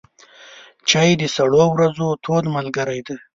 چای د سړو ورځو تود ملګری دی.